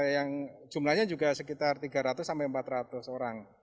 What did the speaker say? yang jumlahnya juga sekitar tiga ratus sampai empat ratus orang